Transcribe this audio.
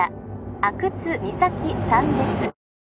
☎阿久津実咲さんです